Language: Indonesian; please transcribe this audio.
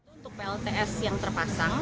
untuk plts yang terpasang